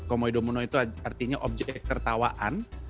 komoi dominoi itu artinya objek tertawaan